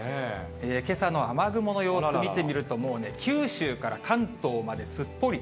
けさの雨雲の様子見てみると、もうね、九州から関東まですっぽり。